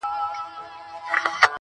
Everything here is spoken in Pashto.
ولاړ انسان به وي ولاړ تر اخریته پوري.